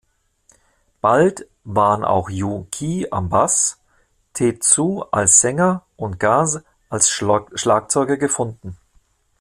Bald waren auch Yu~ki am Bass, Tetsu als Sänger und Gaz als Schlagzeuger gefunden.